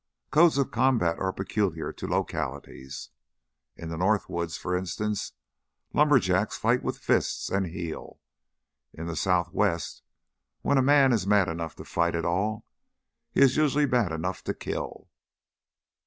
Codes of combat are peculiar to localities. In the north woods, for instance, lumberjacks fight with fist and heel; in the Southwest, when a man is mad enough to fight at all, he is usually mad enough to kill.